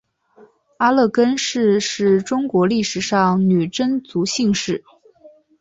阿勒根氏是中国历史上女真族姓氏。